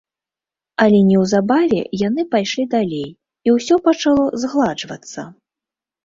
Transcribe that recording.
Але неўзабаве яны пайшлі далей, і ўсё пачало згладжвацца.